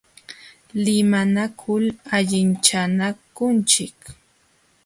Limanakul allichanakunchik.